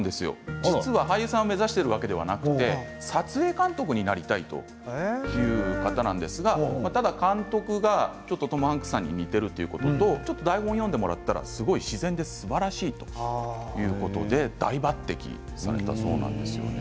実は俳優を目指してるわけではなくて撮影監督になりたいという方なんですが監督がトム・ハンクスさんに似ているということとちょっと台本読んでもらったら自然ですばらしいということで大抜てきされたそうなんです。